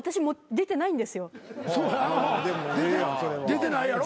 出てないやろ？